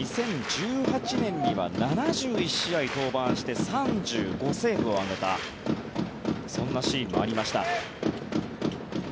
２０１８年には７１試合登板して３５セーブを挙げたそんなシーンもありました。